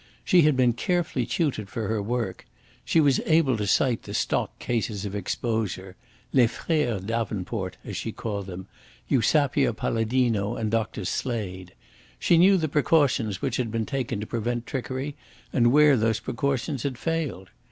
She had been carefully tutored for her work. She was able to cite the stock cases of exposure "LES FRERES Davenport," as she called them, Eusapia Palladino and Dr. Slade. She knew the precautions which had been taken to prevent trickery and where those precautions had failed.